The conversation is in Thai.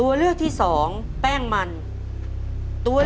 ขอเชยคุณพ่อสนอกขึ้นมาต่อชีวิต